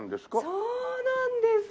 そうなんです。